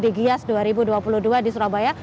di gias dua ribu dua puluh dua di surabaya